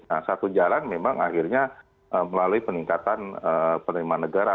nah satu jalan memang akhirnya melalui peningkatan penerimaan negara